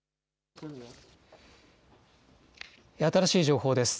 新しい情報です。